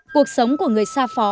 cuộc sống của người xa phó